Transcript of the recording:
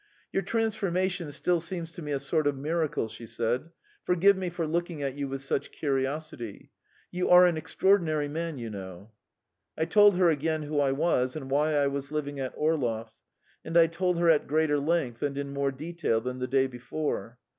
"Your transformation still seems to me a sort of miracle," she said. "Forgive me for looking at you with such curiosity. You are an extraordinary man, you know." I told her again who I was, and why I was living at Orlov's, and I told her at greater length and in more detail than the day before.